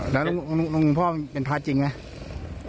แล้วหลวงพ่อเป็นพระจริงไหม